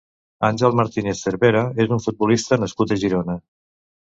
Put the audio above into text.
Àngel Martínez Cervera és un futbolista nascut a Girona.